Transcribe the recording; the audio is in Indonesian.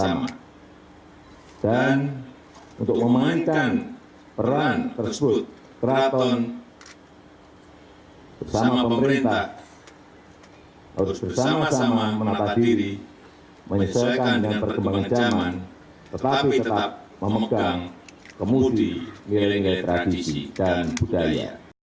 memegang kemudian nilai nilai tradisi dan budaya